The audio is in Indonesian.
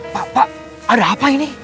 pak pak ada apa ini